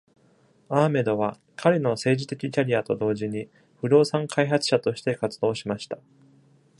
アーメドは彼の政治的キャリアと同時に不動産開発者として活動しました。